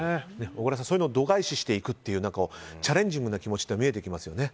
小倉さん、そういうのを度外視していくというチャレンジングな気持ちも見えてきますよね。